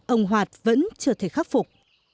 ông hoạt vẫn chưa thể khắc phục